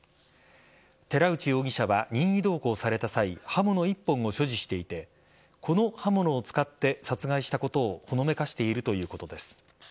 寺内容疑者は、任意同行された際刃物１本を所持していてこの刃物を使って殺害したことをほのめかしているということです。